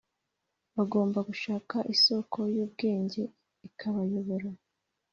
bagomba gushaka isoko y’ubwenge ikabayobora.